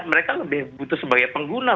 mereka lebih butuh sebagai pengguna